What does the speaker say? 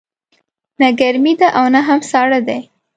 نه ګرمې ده او نه هم ساړه دی